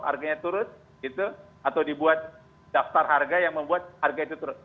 harganya turun gitu atau dibuat daftar harga yang membuat harga itu turun